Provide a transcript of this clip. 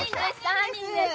３人です